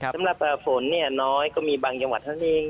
สำหรับฝนเนี่ยน้อยก็มีบางจังหวัดเท่านั้นเอง